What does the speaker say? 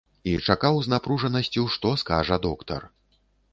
І чакаў з напружанасцю, што скажа доктар.